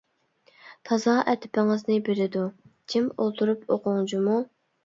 تازا ئەدىپىڭىزنى بېرىدۇ، جىم ئولتۇرۇپ ئوقۇڭ جۇمۇ.